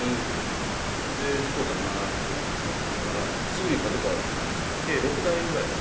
で、事故かなと思ったら、すぐにパトカーが来たんです。